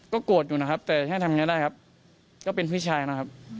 โกรธอยู่นะครับแต่แค่ทำไงได้ครับก็เป็นพี่ชายนะครับ